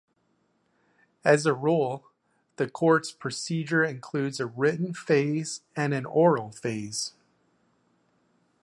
As a rule, the Court's procedure includes a written phase and an oral phase.